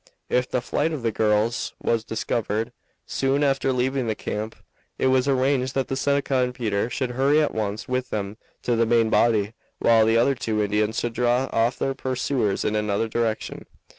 If the flight of the girls was discovered soon after leaving the camp, it was arranged that the Seneca and Peter should hurry at once with them to the main body, while the other two Indians should draw off their pursuers in another direction.